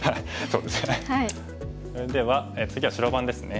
それでは次は白番ですね。